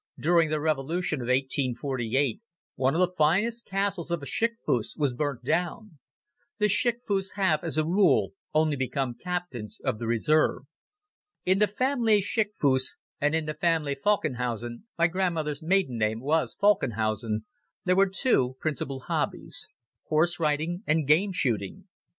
During the Revolution of 1848 one of the finest castles of a Schickfuss was burnt down. The Schickfuss have, as a rule, only become Captains of the Reserve. In the family Schickfuss and in the family Falckenhausen my grandmother's maiden name was Falckenhausen there were two principal hobbies: horse riding and game shooting.